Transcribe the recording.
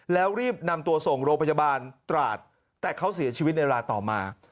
แล้วรีบนำตัวส่งโรงพยาบาลตราดแต่เขาเสียชีวิตในเวลาต่อมา